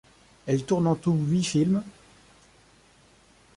Elle tourne en tout huit films.